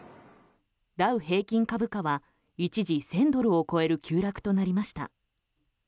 ダウ平均株価は一時１０００ドルを超える急落となりました。